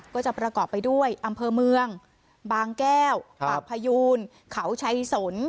ก็จะประกอบไปด้วยอำเภอเมืองบางแก้วปากพยูนเขาชัยสน